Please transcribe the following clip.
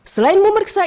selain memeriksa istrinya